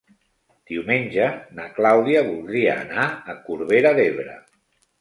Diumenge na Clàudia voldria anar a Corbera d'Ebre.